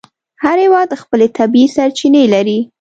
هر هېواد خپلې طبیعي سرچینې لري.